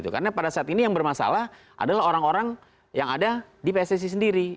karena pada saat ini yang bermasalah adalah orang orang yang ada di pssi sendiri